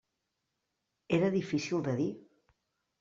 Era difícil de dir.